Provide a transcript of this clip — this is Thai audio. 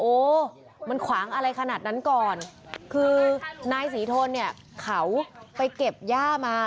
โอ้มันขวางอะไรขนาดนั้นก่อนคือนายศรีทนเนี่ยเขาไปเก็บย่ามา